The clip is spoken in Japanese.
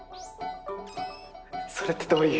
それってどういう。